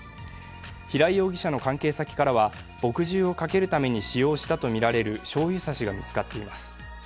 平井容疑者の関係先からは墨汁をかけるために使用したとされるしょうゆ差しが見つかっています。